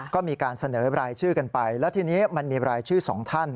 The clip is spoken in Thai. ก็มีการเสนอรายชื่อกันไปแล้วทีนี้มันมีรายชื่อสองท่าน